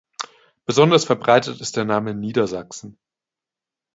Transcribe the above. Besonders verbreitet ist der Name in Niedersachsen.